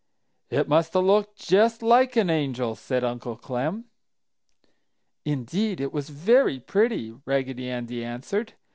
'" "It must have looked just like an angel!" said Uncle Clem. "Indeed it was very pretty!" Raggedy Andy answered.